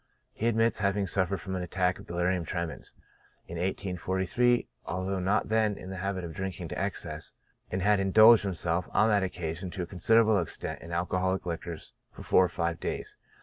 He admits having suffered from an attack of delirium tremens in 1843, al though not then in the habit of drinking to excess, and had indulged himself, on that occasion, to a considerable extent, in alcoholic liquors for four or five days.